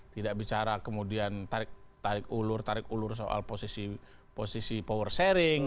tidak bicara kemudian tarik ulur tarik ulur soal posisi power sharing